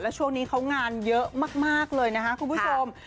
ช่วงนี้เขางานเยอะมากเลยนะคะคุณผู้ชม